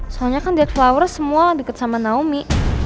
soalnya kan dead flowers semua deket sama naomi